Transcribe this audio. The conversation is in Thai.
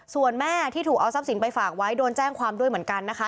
ส่วนแม่ที่ถูกเอาทรัพย์สินไปฝากไว้โดนแจ้งความด้วยเหมือนกันนะคะ